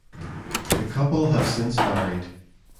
The couple have since married.